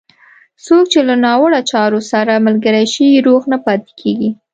څوک چې له ناوړه چارو سره ملګری شي، روغ نه پاتېږي.